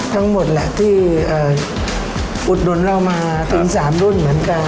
ทั้งหมดแหละที่เอ่ออุดดนเรามาถึงสามรุ่นเหมือนกัน